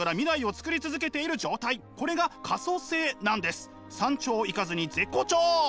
つまり山頂行かずに絶好調！